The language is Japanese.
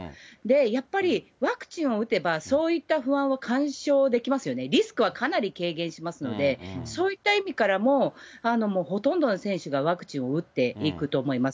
やっぱり、ワクチンを打てば、そういった不安は解消できますよね、リスクはかなり軽減しますので、そういった意味からも、ほとんどの選手がワクチンを打っていくと思います。